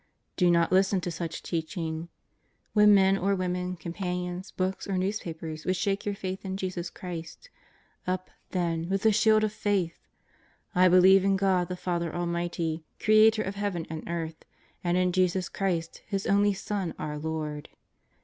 Do not listen to such teaching. When men or women, companions, books or newspapers, would shake your faith in Jesus Christ — up, tlien, with the shield of faith :'^ I believe in God the Father Almighty, Creator of Heaven and earth. And in Jesus Christ His only Son, our Lord."